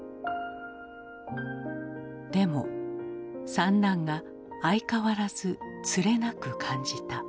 でも三男が相変わらずつれなく感じた。